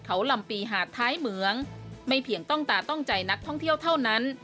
เขาลำปีหาดท้ายเหมืองไม่เพียงต้องตาต้องใจนักท่องเที่ยวเท่านั้น